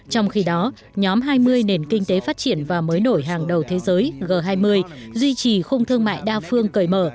trong khi đó nhóm hai mươi nền kinh tế phát triển và mới nổi hàng đầu thế giới g hai mươi duy trì khung thương mại đa phương cởi mở